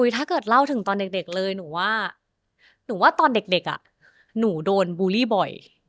ถ้าเกิดเล่าถึงตอนเด็กเลยหนูว่าหนูว่าตอนเด็กหนูโดนบูลลี่บ่อย